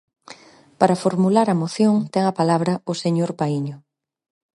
Para formular a moción ten a palabra o señor Paíño.